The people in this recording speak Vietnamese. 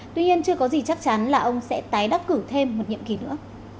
tuy nhiên chưa có gì chắc chắn là ông sẽ tái đắc cử thêm một nhiệm kỳ nữa